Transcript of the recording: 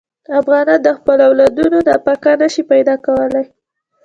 افغانان د خپلو اولادونو نفقه نه شي پیدا کولی.